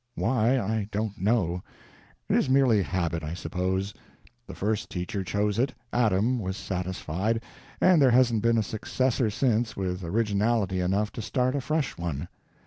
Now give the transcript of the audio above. Why, I don't know. It is merely habit, I suppose; the first teacher chose it, Adam was satisfied, and there hasn't been a successor since with originality enough to start a fresh one.